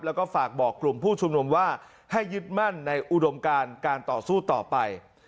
แล้วก็ฝากบอกกลุ่มผู้ชุมนุมว่าให้ยึดมั่นในอุดมการการต่อสู้ต่อไป